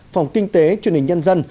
phòng kinh tế truyền hình nhân dân